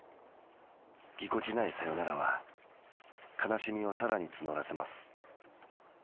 ぎこちないサヨナラは悲しみをさらに募らせます。